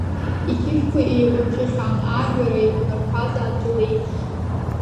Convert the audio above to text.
Иқьышәқәа еиҟәыҷҷахьан, аарҩара еиҟәнарԥԥаз адгьыл еиԥш.